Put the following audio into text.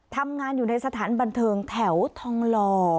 ทำงานอยู่ในสถานบันเทิงแถวทองหล่อ